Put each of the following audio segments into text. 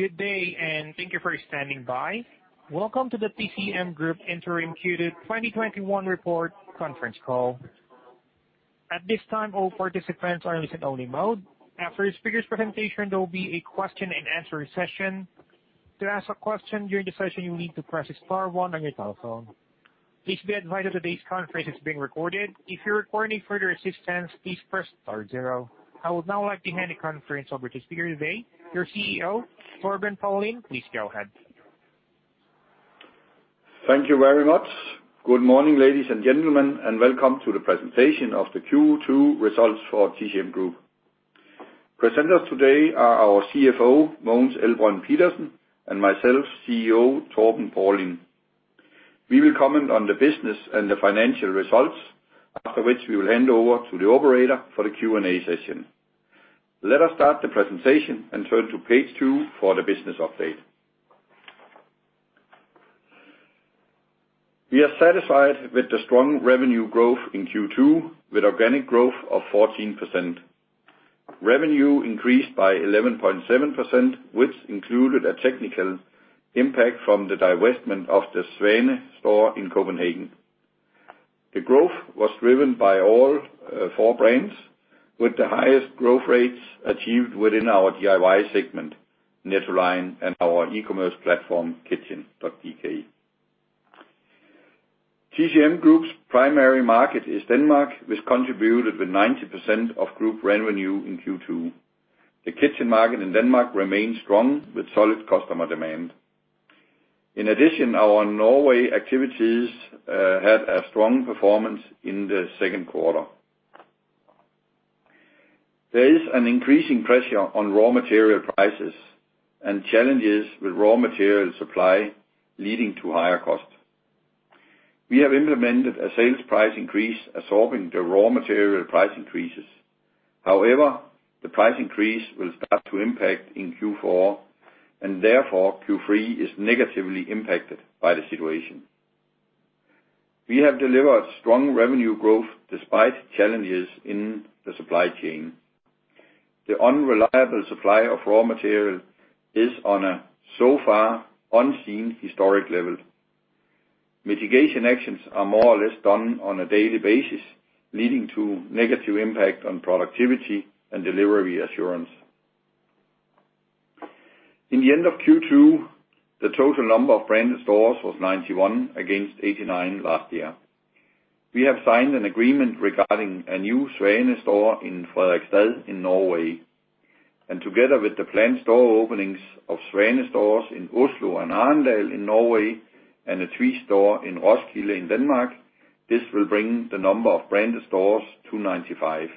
Good day, thank you for standing by. Welcome to the TCM Group Interim Q2 2021 Report conference call. At this time, all participants are in listen-only mode. After the speaker's presentation, there will be a question and answer session. I would now like to hand the conference over to the speaker today, your CEO, Torben Paulin. Please go ahead. Thank you very much. Good morning, ladies and gentlemen, and welcome to the presentation of the Q2 results for TCM Group. Presenters today are our CFO, Mogens Elbrønd Pedersen, and myself, CEO, Torben Paulin. We will comment on the business and the financial results, after which we will hand over to the operator for the Q&A session. Let us start the presentation and turn to page two for the business update. We are satisfied with the strong revenue growth in Q2, with organic growth of 14%. Revenue increased by 11.7%, which included a technical impact from the divestment of the Svane store in Copenhagen. The growth was driven by all four brands, with the highest growth rates achieved within our DIY segment, Nettoline and our e-commerce platform, Kitchn.dk. TCM Group's primary market is Denmark, which contributed with 90% of group revenue in Q2. The kitchn market in Denmark remains strong with solid customer demand. In addition, our Norway activities had a strong performance in the second quarter. There is an increasing pressure on raw material prices and challenges with raw material supply leading to higher costs. We have implemented a sales price increase absorbing the raw material price increases. The price increase will start to impact in Q4, and therefore Q3 is negatively impacted by the situation. We have delivered strong revenue growth despite challenges in the supply chain. The unreliable supply of raw material is on a so far unseen historic level. Mitigation actions are more or less done on a daily basis, leading to negative impact on productivity and delivery assurance. In the end of Q2, the total number of branded stores was 91 against 89 last year. We have signed an agreement regarding a new Svane store in Fredrikstad in Norway. Together with the planned store openings of Svane stores in Oslo and Arendal in Norway and a Tvis store in Roskilde in Denmark, this will bring the number of branded stores to 95.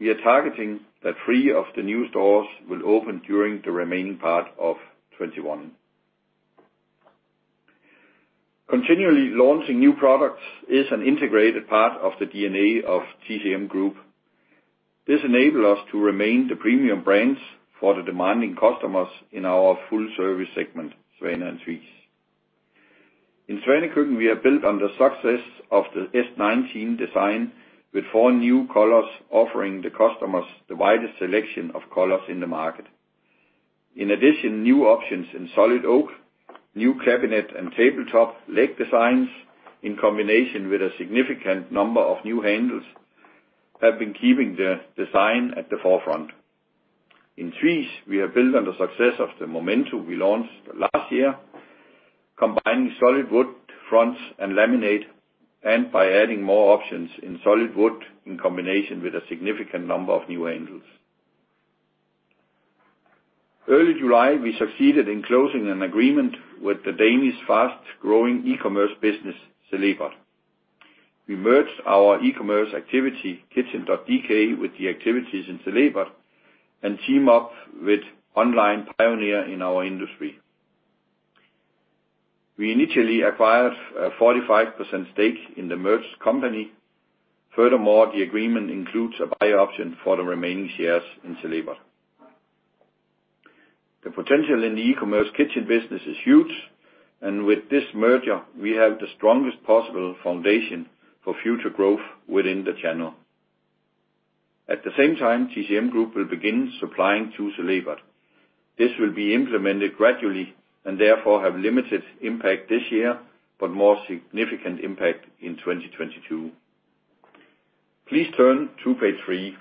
We are targeting that three of the new stores will open during the remaining part of 2021. Continually launching new products is an integrated part of the DNA of TCM Group. This enable us to remain the premium brands for the demanding customers in our full service segment, Svane and Tvis. In Svane Køkkenet, we have built on the success of the S19 design with four new colors offering the customers the widest selection of colors in the market. In addition, new options in solid oak, new cabinet and tabletop leg designs, in combination with a significant number of new handles, have been keeping the design at the forefront. In Tvis, we have built on the success of the Momentum we launched last year, combining solid wood fronts and laminate, and by adding more options in solid wood in combination with a significant number of new handles. Early July, we succeeded in closing an agreement with the Danish fast-growing e-commerce business, Celebert. We merged our e-commerce activity, Kitchn.dk, with the activities in Celebert and team up with online pioneer in our industry. We initially acquired a 45% stake in the merged company. Furthermore, the agreement includes a buy option for the remaining shares in Celebert. The potential in the e-commerce kitchen business is huge, and with this merger, we have the strongest possible foundation for future growth within the channel. At the same time, TCM Group will begin supplying to Celebert. This will be implemented gradually and therefore have limited impact this year, but more significant impact in 2022. Please turn to page three.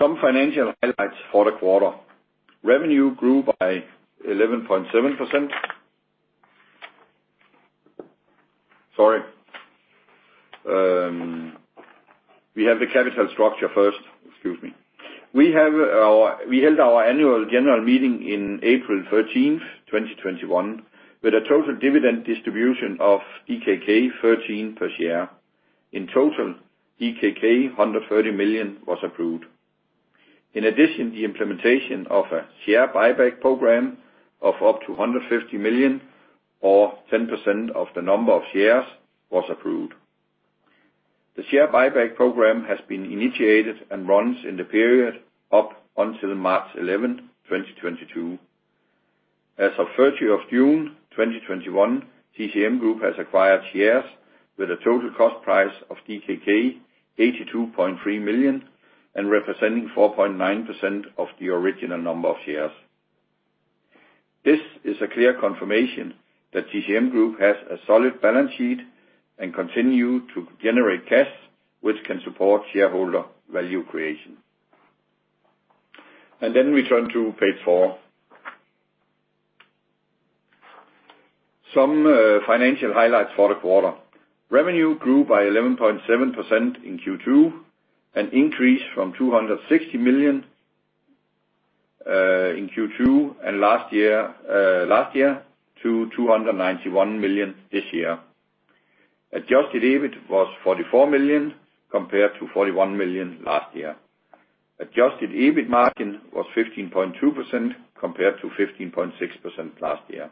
Some financial highlights for the quarter. Revenue grew by 11.7%. Sorry. We have the capital structure first. Excuse me. We held our annual general meeting in April 13th, 2021, with a total dividend distribution of 13 per share. In total, 130 million was approved. In addition, the implementation of a share buyback program of up to 150 million or 10% of the number of shares was approved. The share buyback program has been initiated and runs in the period up until March 11, 2022. As of 30th of June 2021, TCM Group has acquired shares with a total cost price of DKK 82.3 million and representing 4.9% of the original number of shares. This is a clear confirmation that TCM Group has a solid balance sheet and continue to generate cash, which can support shareholder value creation. We turn to page four. Some financial highlights for the quarter. Revenue grew by 11.7% in Q2, an increase from 260 million in Q2 last year, to 291 million this year. Adjusted EBIT was 44 million, compared to 41 million last year. Adjusted EBIT margin was 15.2%, compared to 15.6% last year.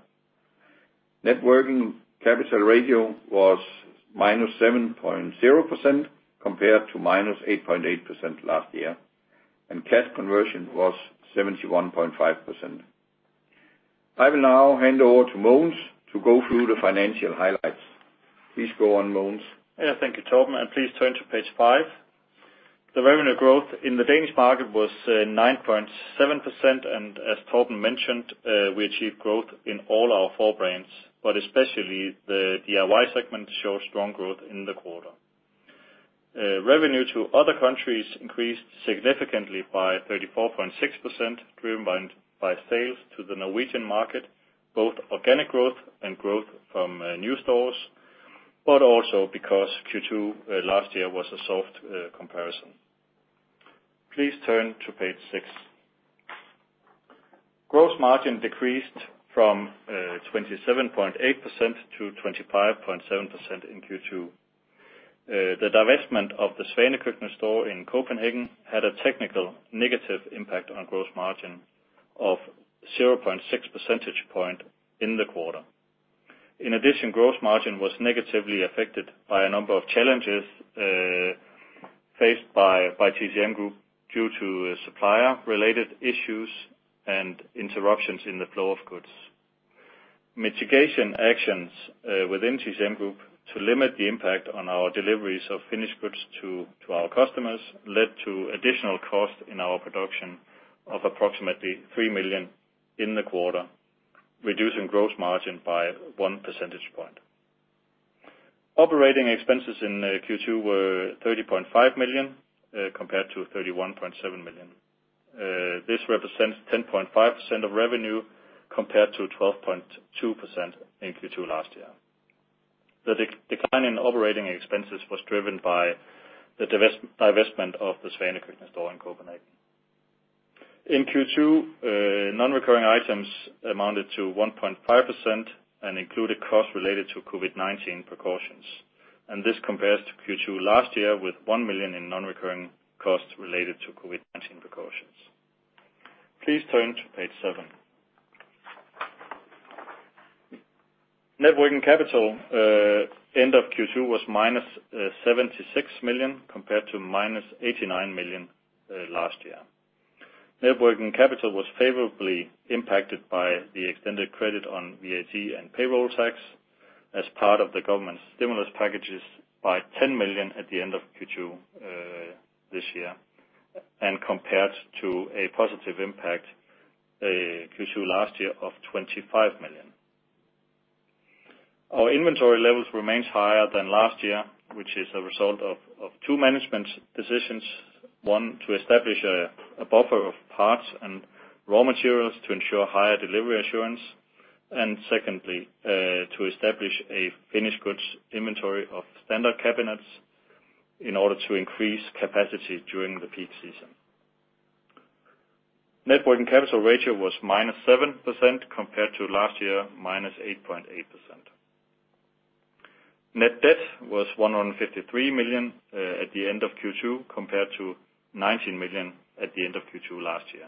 Net working capital ratio was -7.0%, compared to -8.8% last year, and cash conversion was 71.5%. I will now hand over to Mogens to go through the financial highlights. Please go on, Mogens. Yeah. Thank you, Torben. Please turn to page five. The revenue growth in the Danish market was 9.7% and as Torben mentioned, we achieved growth in all our four brands, but especially the DIY segment showed strong growth in the quarter. Revenue to other countries increased significantly by 34.6%, driven by sales to the Norwegian market, both organic growth and growth from new stores, but also because Q2 last year was a soft comparison. Please turn to page six. Gross margin decreased from 27.8% to 25.7% in Q2. The divestment of the Svane Køkkenet store in Copenhagen had a technical negative impact on gross margin of 0.6 percentage point in the quarter. In addition, gross margin was negatively affected by a number of challenges faced by TCM Group due to supplier-related issues and interruptions in the flow of goods. Mitigation actions within TCM Group to limit the impact on our deliveries of finished goods to our customers led to additional costs in our production of approximately 3 million in the quarter, reducing gross margin by one percentage point. Operating expenses in Q2 were 30.5 million, compared to 31.7 million. This represents 10.5% of revenue compared to 12.2% in Q2 last year. The decline in operating expenses was driven by the divestment of the Svane Køkkenet store in Copenhagen. In Q2, non-recurring items amounted to 1.5% and included costs related to COVID-19 precautions, this compares to Q2 last year with 1 million in non-recurring costs related to COVID-19 precautions. Please turn to page seven. Net working capital end of Q2 was -76 million compared to -89 million last year. Net working capital was favorably impacted by the extended credit on VAT and payroll tax as part of the government's stimulus packages by 10 million at the end of Q2 this year, and compared to a positive impact Q2 last year of 25 million. Our inventory levels remains higher than last year, which is a result of two management decisions. One, to establish a buffer of parts and raw materials to ensure higher delivery assurance, and secondly, to establish a finished goods inventory of standard cabinets in order to increase capacity during the peak season. Net working capital ratio was -seven percent compared to last year, -8.8%. Net debt was 153 million at the end of Q2 compared to 19 million at the end of Q2 last year.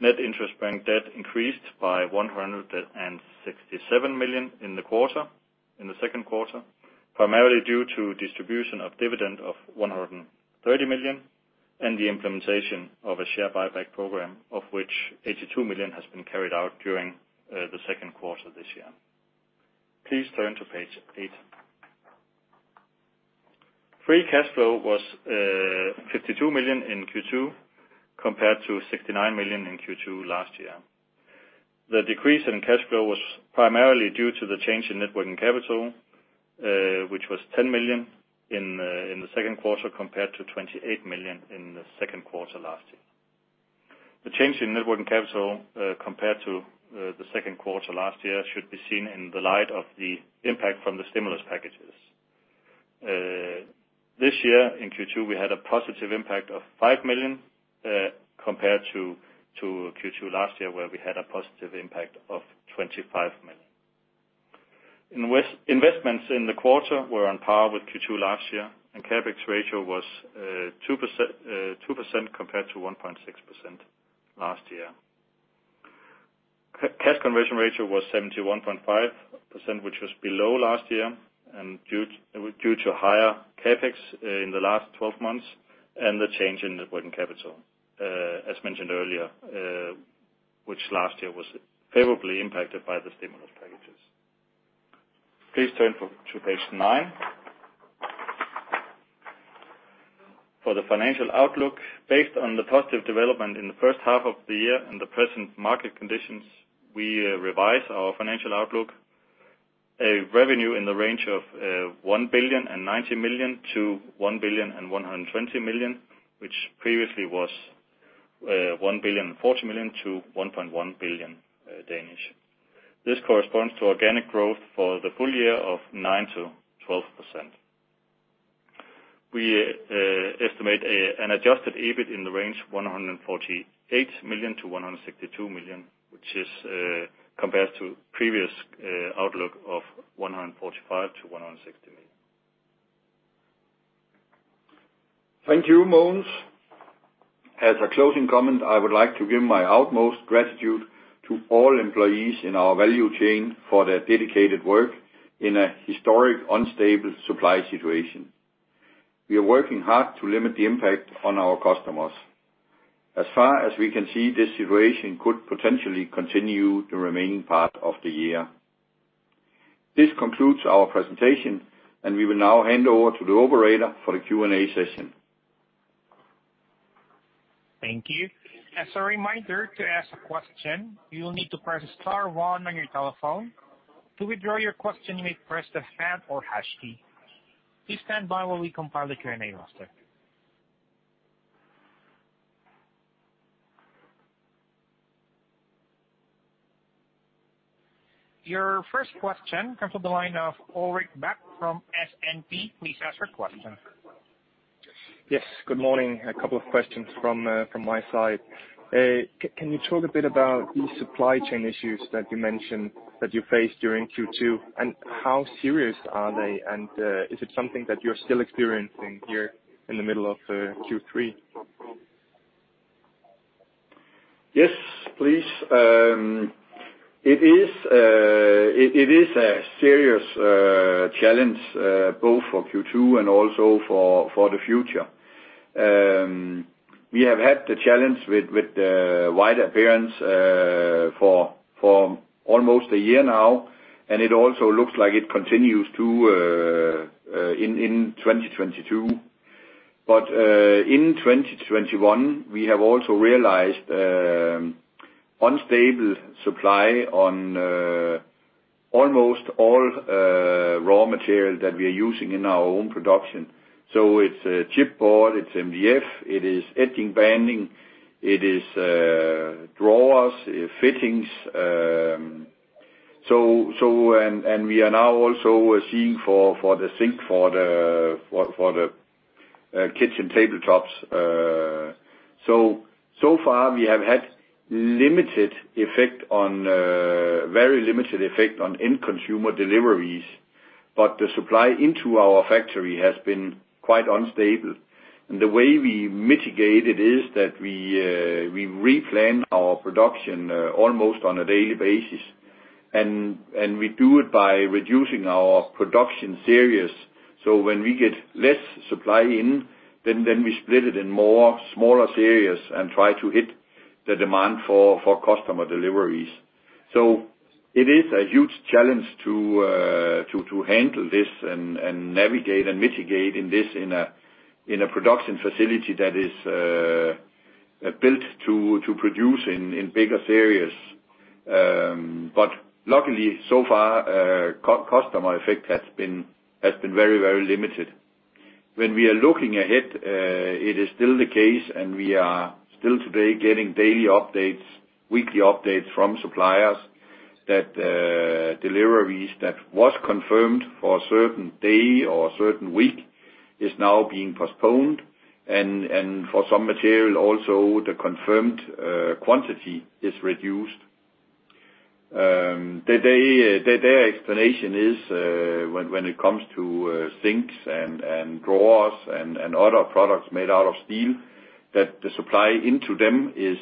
Net interest bank debt increased by 167 million in the Q2, primarily due to distribution of dividend of 130 million and the implementation of a share buyback program, of which 82 million has been carried out during the Q2 this year. Please turn to page eight. Free cash flow was 52 million in Q2 compared to 69 million in Q2 last year. The decrease in cash flow was primarily due to the change in net working capital, which was 10 million in the Q2 compared to 28 million in the Q2 last year. The change in net working capital compared to the second quarter last year should be seen in the light of the impact from the stimulus packages. This year, in Q2, we had a positive impact of 5 million compared to Q2 last year, where we had a positive impact of 25 million. Investments in the quarter were on par with Q2 last year, and CapEx ratio was two percent compared to 1.6% last year. Cash conversion ratio was 71.5 which was below last year and due to higher CapEx in the last 12 months and the change in the working capital, as mentioned earlier, which last year was favorably impacted by the stimulus packages. Please turn to page nine. For the financial outlook. Based on the positive development in the first half of the year and the present market conditions, we revise our financial outlook. A revenue in the range of 1 billion 90 million-DKK 1 billion 120 million, which previously was 1 billion 40 million-DKK 1.1 billion. This corresponds to organic growth for the full year of 9%-12%. We estimate an adjusted EBIT in the range 148 million-162 million, which is compared to previous outlook of 145 million-160 million. Thank you, Mogens. As a closing comment, I would like to give my utmost gratitude to all employees in our value chain for their dedicated work in a historic, unstable supply situation. We are working hard to limit the impact on our customers. As far as we can see, this situation could potentially continue the remaining part of the year. This concludes our presentation, and we will now hand over to the operator for the Q&A session. Thank you. As a reminder, to ask a question, you will need to press star one on your telephone. To withdraw your question, you may press the pound or hash key. Please stand by while we compile the Q&A roster. Your first question comes on the line of Ulrich Bak from SEB. Please ask your question. Yes. Good morning. A couple of questions from my side. Can you talk a bit about the supply chain issues that you mentioned that you faced during Q2. How serious are they? Is it something that you're still experiencing here in the middle of Q3? Yes, please. It is a serious challenge both for Q2 and also for the future. We have had the challenge with the wide appearance for almost a year now, and it also looks like it continues to in 2022. In 2021, we have also realized unstable supply on almost all raw material that we are using in our own production. It's chipboard, it's MDF, it is edging banding, it is drawers, fittings. We are now also seeing for the sink, for the kitchen tabletops. So far we have had very limited effect on end consumer deliveries, but the supply into our factory has been quite unstable. The way we mitigate it is that we replan our production almost on a daily basis, and we do it by reducing our production series. When we get less supply in, then we split it in more smaller series and try to hit the demand for customer deliveries. It is a huge challenge to handle this and navigate and mitigate in this in a production facility that is built to produce in bigger series. Luckily so far, customer effect has been very limited. When we are looking ahead it is still the case, we are still today getting daily updates, weekly updates from suppliers that deliveries that was confirmed for a certain day or a certain week is now being postponed. For some material also, the confirmed quantity is reduced. Their explanation is when it comes to sinks and drawers and other products made out of steel, that the supply into them is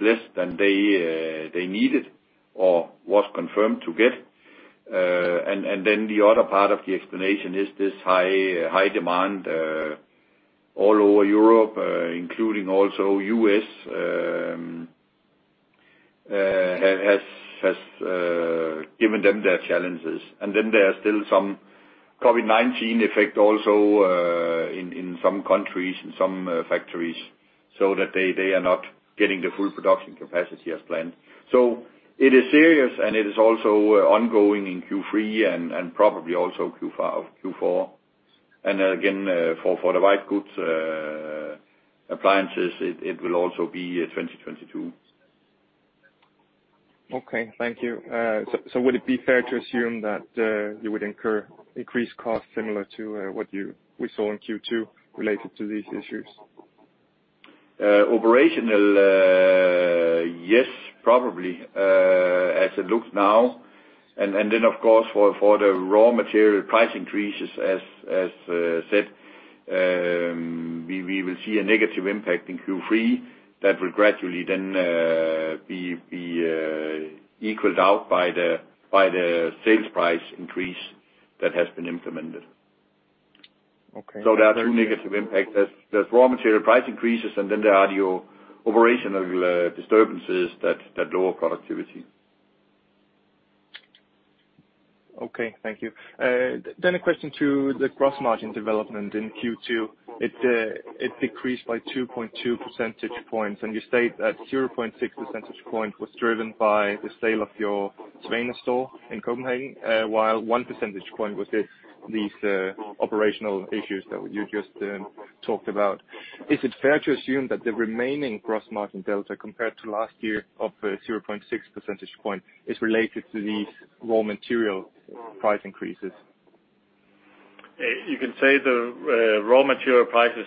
less than they needed or was confirmed to get. The other part of the explanation is this high demand all over Europe, including also U.S., has given them their challenges. There are still some COVID-19 effect also in some countries and some factories, so that they are not getting the full production capacity as planned. It is serious, and it is also ongoing in Q3 and probably also Q4. Again for the white goods appliances, it will also be 2022. Okay. Thank you. Would it be fair to assume that you would incur increased costs similar to what we saw in Q2 related to these issues? Operational, yes, probably. As it looks now and then, of course, for the raw material price increases as said We will see a negative impact in Q3 that will gradually then be equaled out by the sales price increase that has been implemented. Okay. There are two negative impacts. There's raw material price increases, and then there are your operational disturbances that lower productivity. Okay, thank you. A question to the gross margin development in Q2. It decreased by 2.2 percentage points, and you state that 0.6 percentage point was driven by the sale of your Svane store in Copenhagen, while one percentage point was these operational issues that you just talked about. Is it fair to assume that the remaining gross margin delta, compared to last year of 0.6 percentage point, is related to these raw material price increases? You can say the raw material prices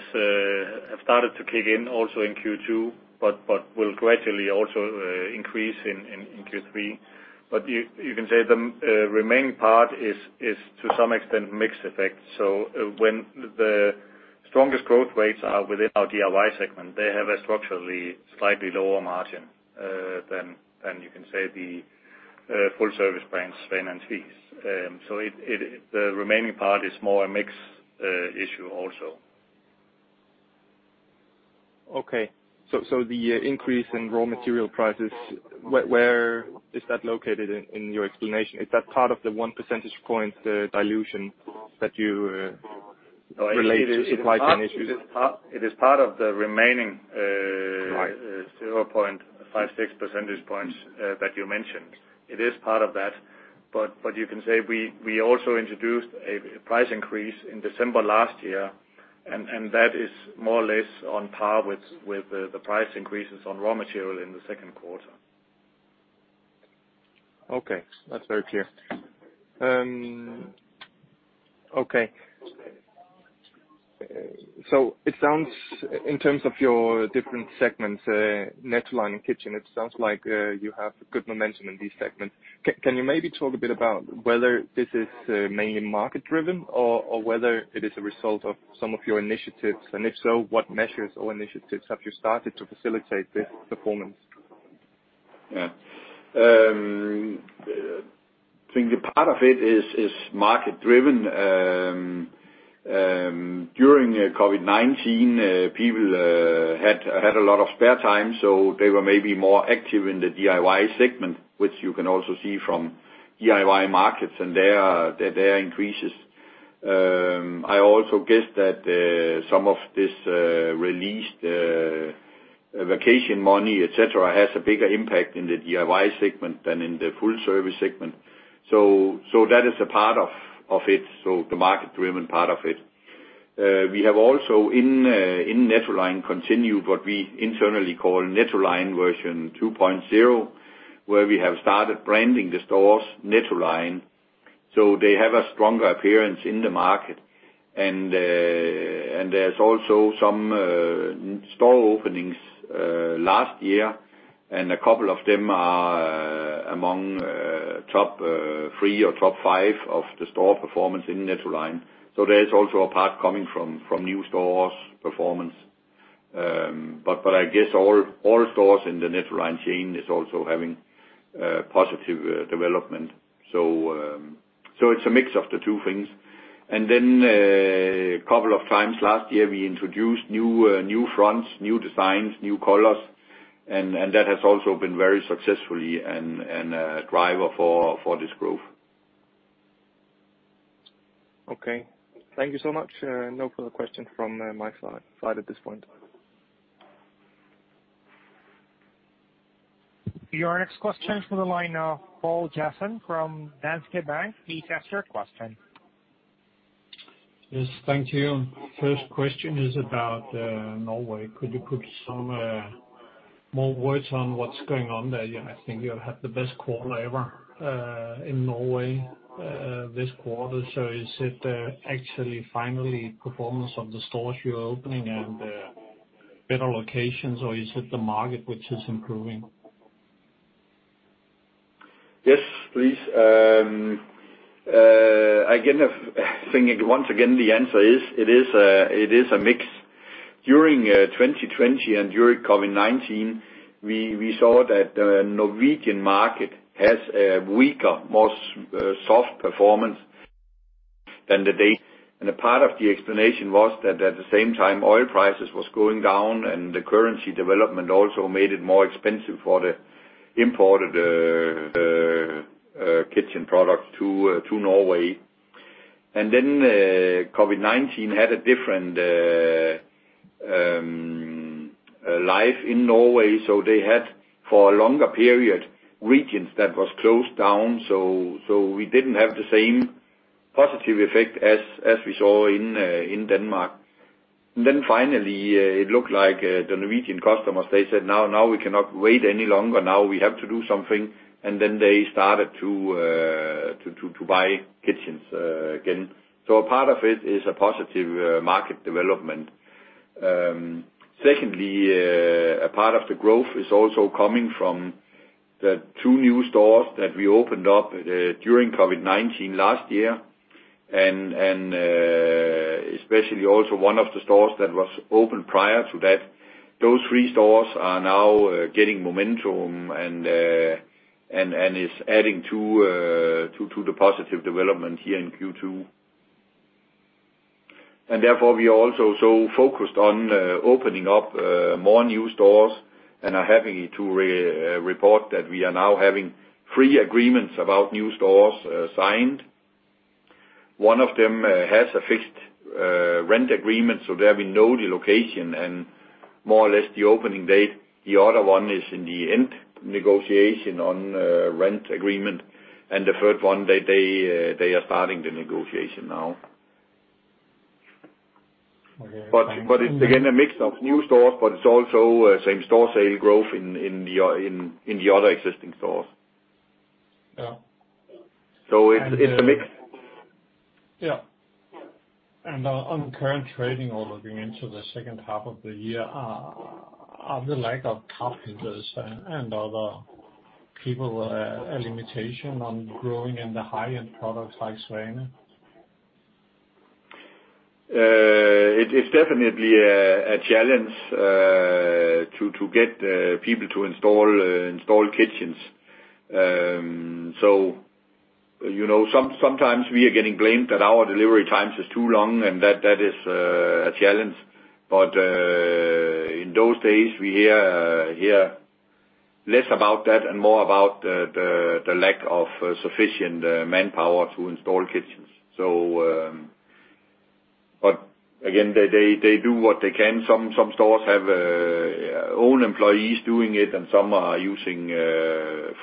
have started to kick in also in Q2, but will gradually also increase in Q3. You can say the remaining part is to some extent mix effect. When the strongest growth rates are within our DIY segment, they have a structurally slightly lower margin than you can say the full service brands, Svane and HTH. The remaining part is more a mix issue also. Okay. The increase in raw material prices, where is that located in your explanation? Is that part of the one percentage point dilution that you relate to supply chain issues? It is part of the remaining- Right 0.56 percentage points that you mentioned. It is part of that. You can say we also introduced a price increase in December last year, and that is more or less on par with the price increases on raw material in the Q2. Okay. That's very clear. Okay. It sounds, in terms of your different segments, Nettoline and Kitchn.dk, it sounds like you have good momentum in these segments. Can you maybe talk a bit about whether this is mainly market driven or whether it is a result of some of your initiatives? If so, what measures or initiatives have you started to facilitate this performance? I think a part of it is market driven. During COVID-19, people had a lot of spare time, so they were maybe more active in the DIY segment, which you can also see from DIY markets and their increases. I also guess that some of this released vacation money, et cetera, has a bigger impact in the DIY segment than in the full service segment. That is a part of it, so the market driven part of it. We have also in Nettoline continued what we internally call Nettoline version 2.0, where we have started branding the stores Nettoline. There's also some store openings last year, and a couple of them are among top three or top five of the store performance in Nettoline. There is also a part coming from new stores performance. I guess all stores in the Nettoline chain is also having a positive development. It's a mix of the two things. A couple of times last year, we introduced new fronts, new designs, new colors, and that has also been very successfully and a driver for this growth. Okay. Thank you so much. No further questions from my side at this point. Your next question comes from the line of Poul Jessen from Danske Bank. Please ask your question. Yes. Thank you. First question is about Norway. Could you put some more words on what's going on there? I think you had the best quarter ever in Norway this quarter. Is it actually finally performance of the stores you're opening and better locations, or is it the market which is improving? Yes, please. I think once again, the answer is, it is a mix. During 2020 and during COVID-19, we saw that the Norwegian market has a weaker, more soft performance than Denmark. A part of the explanation was that at the same time, oil prices was going down and the currency development also made it more expensive for the imported kitchen product to Norway. COVID-19 had a different life in Norway. They had, for a longer period, regions that was closed down. We didn't have the same positive effect as we saw in Denmark. Finally it looked like the Norwegian customers, they said, "Now we cannot wait any longer. Now we have to do something." They started to buy kitchens again. A part of it is a positive market development. Secondly, a part of the growth is also coming from the two new stores that we opened up during COVID-19 last year, and especially also one of the stores that was opened prior to that. Those three stores are now getting momentum and is adding to the positive development here in Q2. Therefore, we are also so focused on opening up more new stores and are happy to report that we are now having three agreements about new stores signed. One of them has a fixed rent agreement, so there we know the location and more or less the opening date. The other one is in the end negotiation on rent agreement. The third one, they are starting the negotiation now. Okay. It's again, a mix of new stores, but it's also same-store sale growth in the other existing stores. Yeah. It's a mix. Yeah. On current trading or looking into the second half of the year, are the lack of carpenters and other people a limitation on growing in the high-end products like Svane? It's definitely a challenge to get people to install kitchens. Sometimes we are getting blamed that our delivery times is too long, and that is a challenge. In those days, we hear less about that and more about the lack of sufficient manpower to install kitchens. Again, they do what they can. Some stores have own employees doing it, and some are using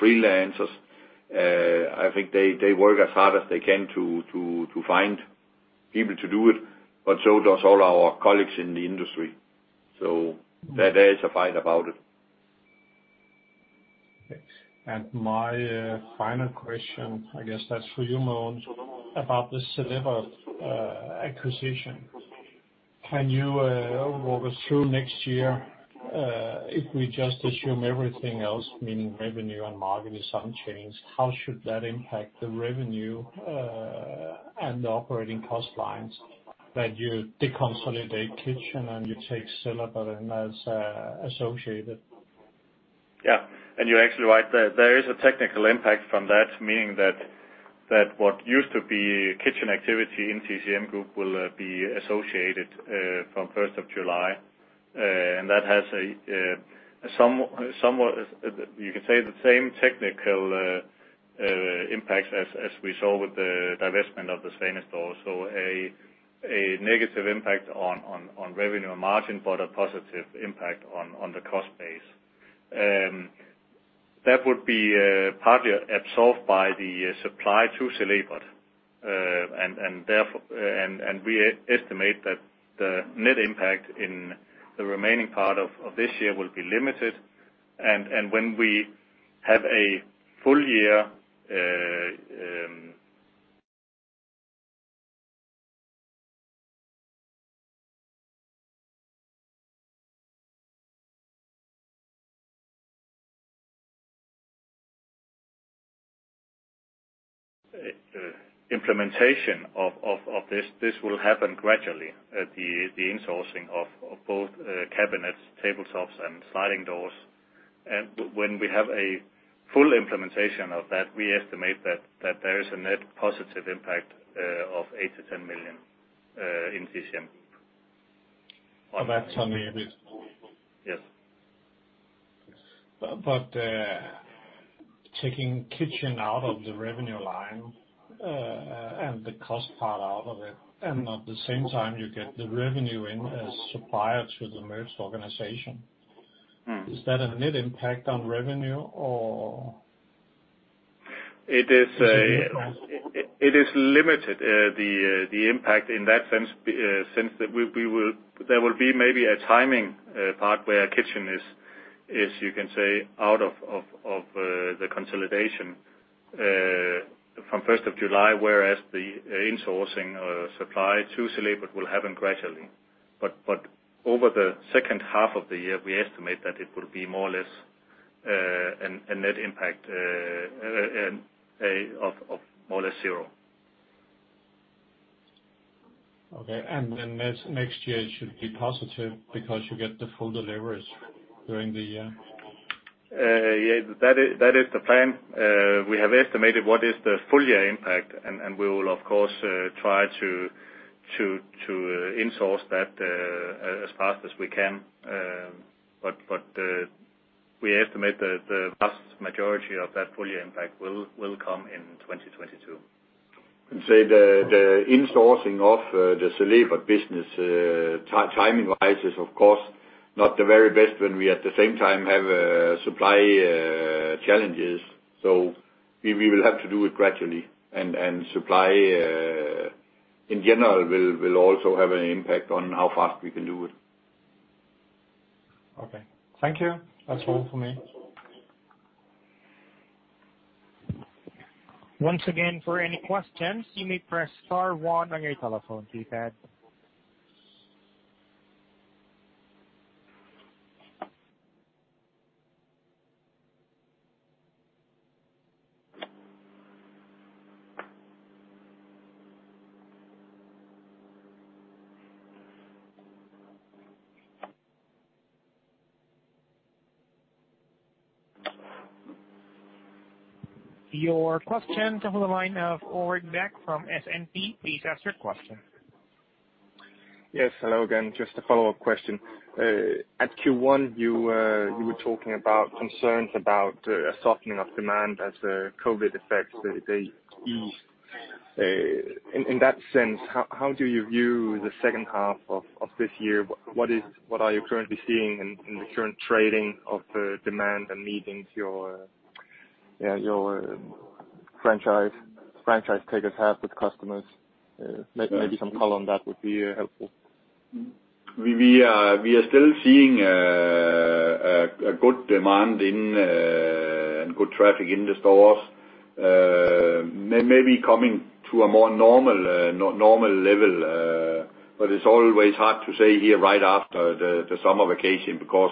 freelancers. I think they work as hard as they can to find people to do it, but so does all our colleagues in the industry. There is a fight about it. Okay. My final question, I guess that's for you, Mogens, about the Celebert acquisition. Can you walk us through next year? If we just assume everything else, meaning revenue and margin is unchanged, how should that impact the revenue and the operating cost lines that you deconsolidate kitchen and you take Celebert in as associated? Yeah. You're actually right. There is a technical impact from that, meaning that what used to be kitchen activity in TCM Group will be associated from July 1st. That has, you can say, the same technical impacts as we saw with the divestment of the Svane store. A negative impact on revenue and margin, but a positive impact on the cost base. That would be partly absorbed by the supply to Celebert. We estimate that the net impact in the remaining part of this year will be limited. When we have a full year, implementation of this will happen gradually, the insourcing of both cabinets, tabletops, and sliding doors. When we have a full implementation of that, we estimate that there is a net positive impact of 8 million-10 million in TCM. That's on the- Yes. Taking kitchen out of the revenue line, and the cost part out of it, and at the same time you get the revenue in as supplier to the merged organization. Is that a net impact on revenue or? It is limited, the impact in that sense, since there will be maybe a timing part where our kitchen is, you can say, out of the consolidation from July 1st, whereas the insourcing supply to Celebert will happen gradually. Over the second half of the year, we estimate that it will be more or less a net impact of more or less zero. Okay. Next year, it should be positive because you get the full deliveries during the year? Yeah. That is the plan. We have estimated what is the full year impact, and we will of course try to insource that as fast as we can. We estimate the vast majority of that full year impact will come in 2022. Say the insourcing of the Celebert business, timing-wise is of course not the very best when we at the same time have supply challenges. We will have to do it gradually, and supply in general will also have an impact on how fast we can do it. Okay. Thank you. That's all from me. Once again, for any questions, you may press star one on your telephone keypad. Your question on the line of Ulrich Beck from SEB. Please ask your question. Yes. Hello again. Just a follow-up question. At Q1, you were talking about concerns about a softening of demand as COVID effects, they ease. In that sense, how do you view the second half of this year? What are you currently seeing in the current trading of the demand and meetings your franchise takers have with customers? Maybe some color on that would be helpful. We are still seeing a good demand and good traffic in the stores. Maybe coming to a more normal level, but it's always hard to say here right after the summer vacation because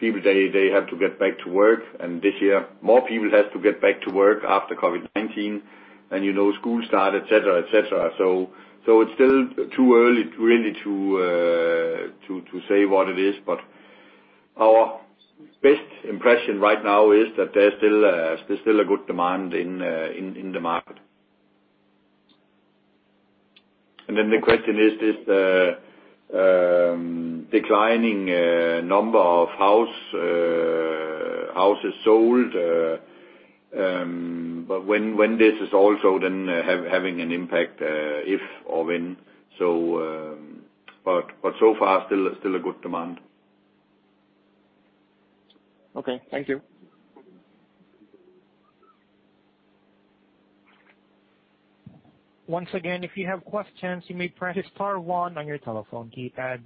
people, they have to get back to work, and this year, more people have to get back to work after COVID-19 and school start, et cetera. It's still too early really to say what it is, but our best impression right now is that there's still a good demand in the market. The question is this declining number of houses sold, but when this is also then having an impact, if or when. So far, still a good demand. Okay. Thank you. Once again, if you have questions, you may press star one on your telephone keypad.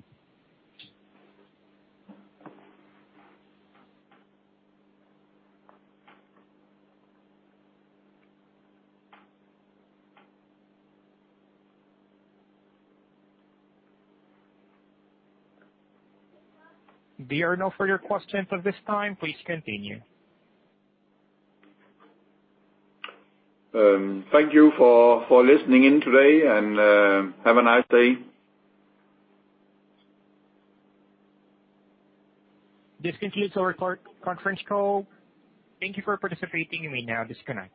There are no further questions at this time. Please continue. Thank you for listening in today, and have a nice day. This concludes our conference call. Thank you for participating. You may now disconnect.